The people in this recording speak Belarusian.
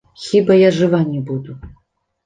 Хіба я жыва не буду!